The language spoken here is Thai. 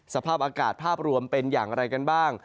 สภาพอากาศภาพรวมเป็นอย่างไรกันบ้าง